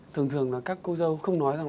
thường thường là các cô dâu không nói rằng